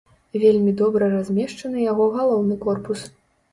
Вельмі добра размешчаны яго галоўны корпус.